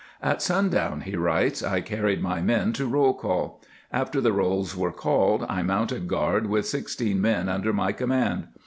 " At sundown," he writes, " I carried my men to roll call. After the rolls were called I mounted guard with sixteen men under my command.